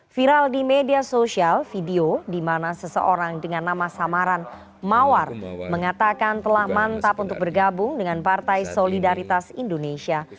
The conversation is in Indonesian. viral di media sosial video di mana seseorang dengan nama samaran mawar mengatakan telah mantap untuk bergabung dengan partai solidaritas indonesia